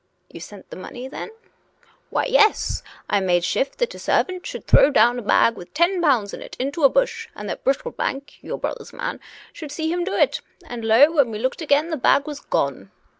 " You sent the money, then.^ "" Why, yes ; I made shift that a servant should throw down a bag with ten pounds in it, into a bush, and that Brittlebank — your brother's man — should see him do it! And lo ! when we looked again, the bag was gone